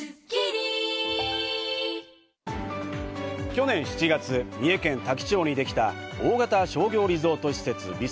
去年７月、三重県多気町にできた大型商業リゾート施設ＶＩＳＯＮ。